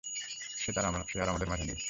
সে আর আমাদের মাঝে নেই!